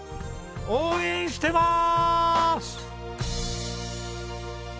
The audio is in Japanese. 応援してまーす！